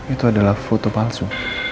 itu adalah foto palsu